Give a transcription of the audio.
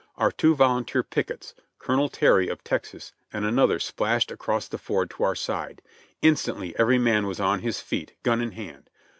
Our two volunteer pickets. Colonel Terr}', of Texas, and another, splashed across the ford to our side. Instantly every man was on his feet, gun in hand.